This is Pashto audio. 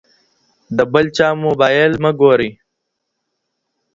د بل چا موبایل مه ګورئ.